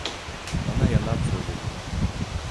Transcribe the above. Bana yalan söyledin.